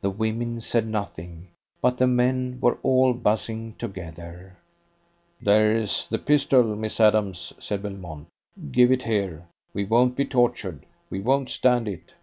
The women said nothing, but the men were all buzzing together. "There's the pistol, Miss Adams," said Belmont. "Give it here! We won't be tortured! We won't stand it!"